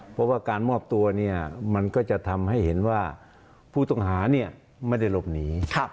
เพราะว่าการมอบตัวเนี่ยมันก็จะทำให้เห็นว่าผู้ต้องหาไม่ได้หลบหนี